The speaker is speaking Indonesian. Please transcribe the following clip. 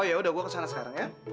oh ya udah gua kesana sekarang ya